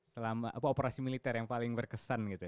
selama apa operasi militer yang paling berkesan gitu